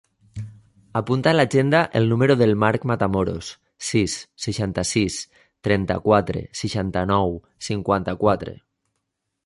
Apunta a l'agenda el número del Mark Matamoros: sis, seixanta-sis, trenta-quatre, seixanta-nou, cinquanta-quatre.